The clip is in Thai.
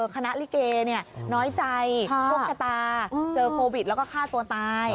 คณะลิเกเนี่ยน้อยใจโฆษฎาเจอโควิดแล้วก็ฆ่าตัวตาย